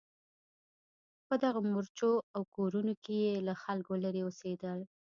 په دغو مورچو او کورونو کې یې له خلکو لرې اوسېدل.